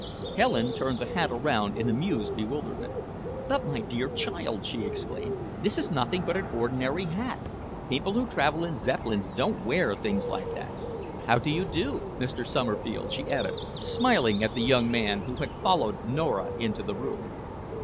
Helen turned the hat around in amused bewilderment. "But, my dear child," she exclaimed, "this is nothing but an ordinary hat! People who travel in Zeppelins don't wear things like that. How do you do, Mr. Somerfield?" she added, smiling at the young man who had followed Nora into the room.